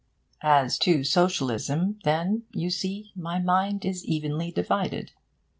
As to socialism, then, you see, my mind is evenly divided.